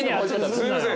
すいません。